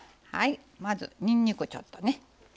まずにんにくちょっとね。